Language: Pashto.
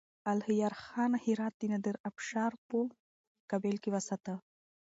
الهيار خان هرات د نادرافشار په مقابل کې وساته.